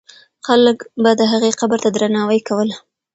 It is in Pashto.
خلک به د هغې قبر ته درناوی کوله.